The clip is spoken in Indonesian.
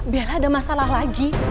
bila ada masalah lagi